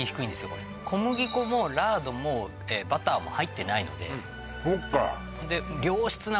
これ小麦粉もラードもバターも入ってないのでそっかで良質な